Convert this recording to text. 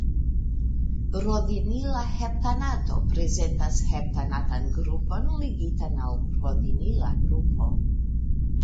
Rodinila heptanato prezentas heptanatan grupon ligitan al rodinila grupo.